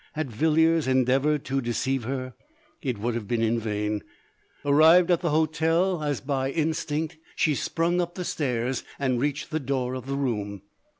Had Vil liers endeavoured to deceive her, it would havt been in vain. Arrived at the hotel, as by in 276 LODORE. stinet, she sprung up the stairs, and reached the door of the room.